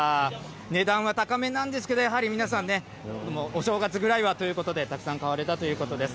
値段は高めなんですけど、やはり皆さんね、お正月ぐらいはということで、たくさん買われたということです。